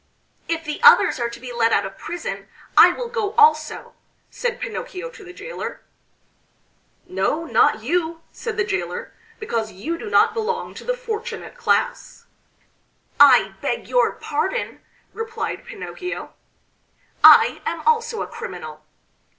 "If the others are to be let out of prison, I will go also," said Pinocchio to the jailor. "No, not you," said the jailor, "because you do not belong to the fortunate class." "I beg your pardon," replied Pinocchio, "I am also a criminal."